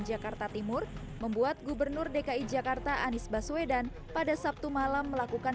jakarta timur membuat gubernur dki jakarta anies baswedan pada sabtu malam melakukan